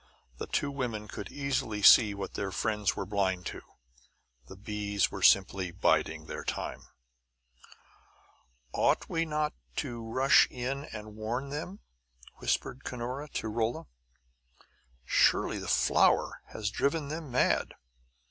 The two women could easily see what their friends were blind to: the bees were simply biding their time. "Ought we not to rush in and warn them?" whispered Cunora to Rolla. "Surely the flower hath driven them mad!"